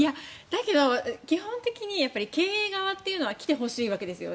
だけど、基本的に経営側っていうのは来てほしいわけですよ。